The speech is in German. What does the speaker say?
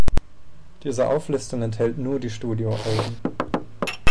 Diese Auflistung enthält nur die Studioalben.